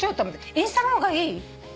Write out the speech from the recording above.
インスタの方がいい？